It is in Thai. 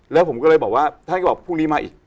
แล้วผมก็เลยบอกว่าท่านก็บอกพรุ่งนี้มาอีก